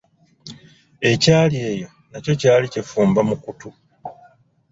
Ekyali eyo nakyo kyali kifumba mukutu..